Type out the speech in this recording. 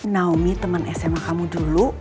naomi teman sma kamu dulu